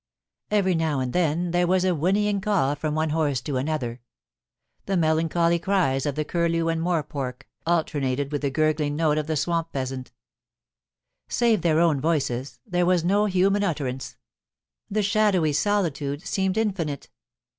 Every now and then there was a whinnying call from one horse to another ; the melancholy cries of the curlew and morepork, alternated with the gurgling note of the swamp pheasant Save their own voices, there was no human utterance — the shadowy solitude seemed infinite.